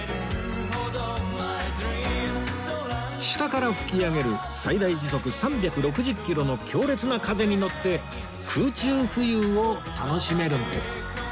下から吹き上げる最大時速３６０キロの強烈な風にのって空中浮遊を楽しめるんです